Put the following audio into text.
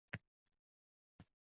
Uning aqli har baloga yetardi.